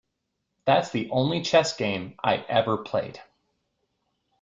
That's the only chess game I ever played.